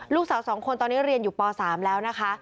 ลูกสาว๒คนตอนนี้เรียนอยู่ป๓แล้วนะคะ